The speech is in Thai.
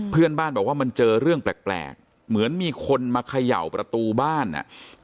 เพื่อนบ้านบอกว่ามันเจอเรื่องแปลกเหมือนมีคนมาเขย่าประตูบ้านอ่ะ